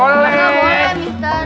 gak boleh mister